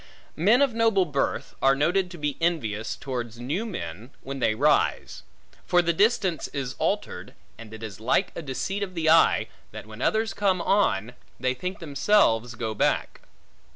Men of noble birth, are noted to be envious towards new men, when they rise. For the distance is altered, and it is like a deceit of the eye, that when others come on, they think themselves, go back.